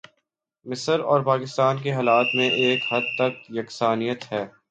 مصر اور پاکستان کے حالات میں ایک حد تک یکسانیت ہے۔